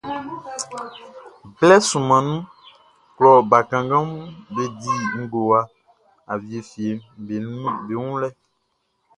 Blɛ sunman nunʼn, klɔ bakannganʼm be di ngowa awie fieʼm be wun lɛ.